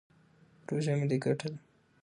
پروژه ملي ګټه ده.